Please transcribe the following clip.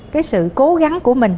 cái sự cố gắng của mình